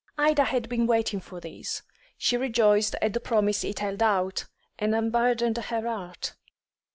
Ida had been waiting for this; she rejoiced at the promise it held out, and unburdened her heart.